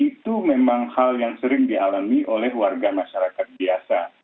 itu memang hal yang sering dialami oleh warga masyarakat biasa